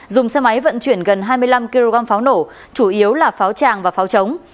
dùng xe máy vận chuyển gần hai mươi năm kg pháo nổ chủ yếu là pháo tràng và pháo trống